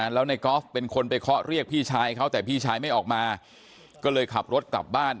แล้วในกอล์ฟเป็นคนไปเคาะเรียกพี่ชายเขาแต่พี่ชายไม่ออกมาก็เลยขับรถกลับบ้าน